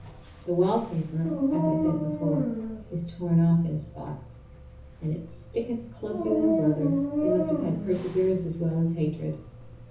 The wallpaper, as I said before, is torn off in spots, and it sticketh closer than a brother—they must have had perseverance as well as hatred.